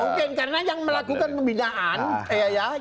mungkin karena yang melakukan pembinaan